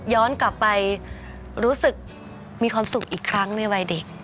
ย้อนกลับไปรู้สึกมีความสุขอีกครั้งในวัยเด็ก